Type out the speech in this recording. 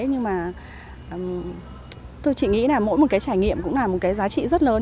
nhưng mà tôi chỉ nghĩ là mỗi một cái trải nghiệm cũng là một cái giá trị rất lớn